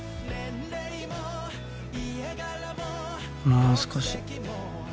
もう少し。